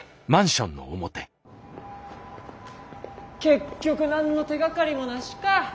結局何の手がかりもなしか。